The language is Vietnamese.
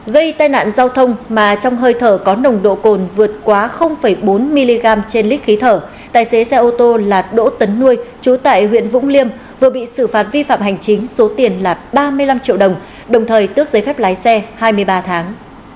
gây tai nạn giao thông mà trong hơi thở có nồng độ cồn vượt quá bốn mg trên lít khí thở tài xế xe ô tô là đỗ tấn nuôi trú tại huyện vũng liêm vừa bị xử phạt vi phạm hành chính số tiền là ba mươi năm triệu đồng đồng thời tước giấy phép lái xe hai mươi ba tháng